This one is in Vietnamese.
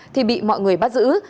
thì bị mọi người bắt giữ